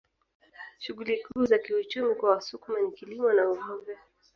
Shughuli kuu za kiuchumi kwa Wasukuma ni kilimo na uvuvi